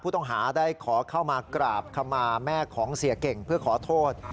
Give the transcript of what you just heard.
ต้องได้ขอเข้ามากราบขมาแม่ของเสียเก่งเพื่อขอโทษ